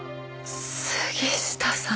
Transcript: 杉下さん。